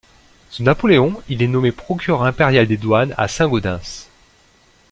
Sous Napoléon, il est nommé procureur impérial des douanes à Saint-Gaudens.